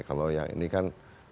kalau yang ini kan